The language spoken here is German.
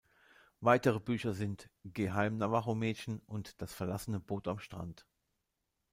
Weitere Bücher sind: "Geh heim, Navaho-Mädchen" und "Das verlassene Boot am Strand".